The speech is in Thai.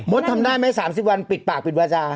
ทำได้ไหม๓๐วันปิดปากปิดวาจา